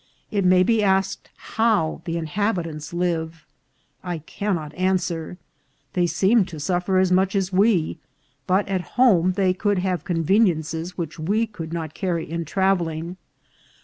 It may be asked how the inhabitants live. I cannot answer. They seemed to suffer as much as we, but at home they could have conveniences which we could not carry in travelling.